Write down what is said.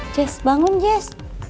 jess bangun jess